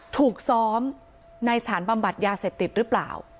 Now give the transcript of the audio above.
ถูกซ้อมในสถานบำบัดยาเสพติดหรือเปล่า